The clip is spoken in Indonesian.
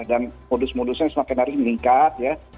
dan modus modusnya semakin makin meningkat ya